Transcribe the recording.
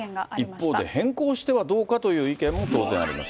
一方で、変更してはどうかという意見も、当然あります。